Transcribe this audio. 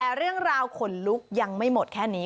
แต่เรื่องราวขนลุกยังไม่หมดแค่นี้